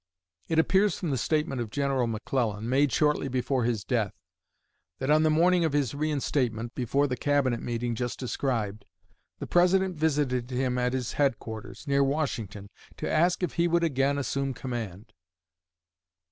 It appears from the statement of General McClellan, made shortly before his death, that on the morning of his reinstatement (before the Cabinet meeting just described) the President visited him at his headquarters, near Washington, to ask if he would again assume command.